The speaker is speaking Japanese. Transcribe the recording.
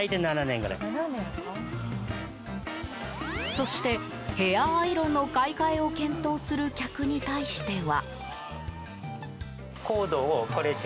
そして、ヘアアイロンの買い替えを検討する客に対しては。